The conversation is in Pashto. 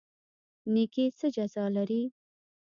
نیکي څه جزا لري؟